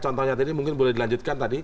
oke ini boleh dilanjutkan tadi